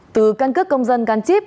từ căn cước công dân gắn chip